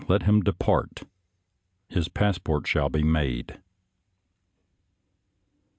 Let him depart ; his passport shall be made."